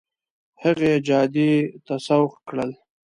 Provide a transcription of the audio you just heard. هغې جادې ته سوق کړل.